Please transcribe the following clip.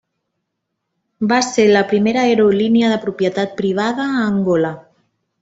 Va ser la primera aerolínia de propietat privada a Angola.